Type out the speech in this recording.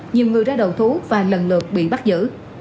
nhiều người ra đầu thú và lần lượt bị bắt giữ